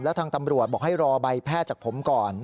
แล้วทางตำรวจบอกให้รอใบแพทย์จากผมก่อน